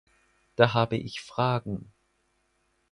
Da habe ich Fragen.